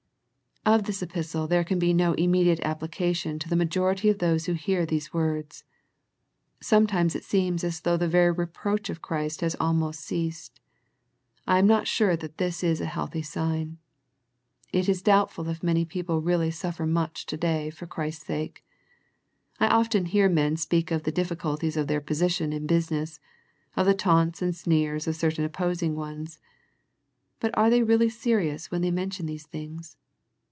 Of this epistle there can be no immediate application to the majority of those who hear these words. Sometimes it seems as though the very reproach of Christ has almost ceased. I am not sure that this is a healthy sign. It is doubtful if many people really suffer much to day for Christ's sake. I often hear men speak of the difficulties of their position in business, of the taunts and sneers of certain opposing ones, but are they really serious when they mention these things?